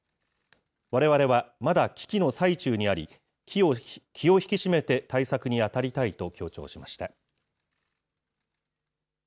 われわれはまだ危機の最中にあり、気を引き締めて対策に当たりたいと強調しました。